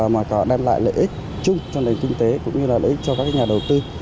mà đem lại lợi ích chung cho nền kinh tế cũng như là lợi ích cho các nhà đầu tư